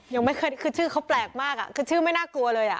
ยังไม่เคยคือชื่อเขาแปลกมากอ่ะคือชื่อไม่น่ากลัวเลยอ่ะ